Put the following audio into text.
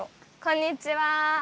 こんにちは！